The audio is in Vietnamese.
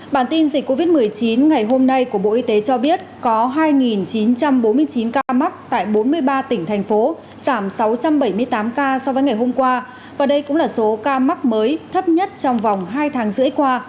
bản tin dịch covid một mươi chín ngày hôm nay của bộ y tế cho biết có hai chín trăm bốn mươi chín ca mắc tại bốn mươi ba tỉnh thành phố giảm sáu trăm bảy mươi tám ca so với ngày hôm qua và đây cũng là số ca mắc mới thấp nhất trong vòng hai tháng rưỡi qua